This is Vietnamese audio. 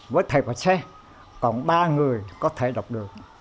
với thầy phật sếp còn ba người có thể đọc được